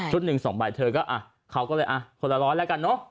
ชุดหนึ่ง๒ใบเธอก็เขาก็เลยคนละร้อยแล้วกันเนอะ